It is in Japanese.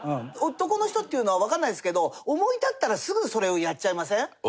男の人っていうのはわかんないですけど思い立ったらすぐそれをやっちゃいません？